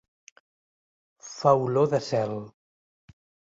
Fa olor de cel.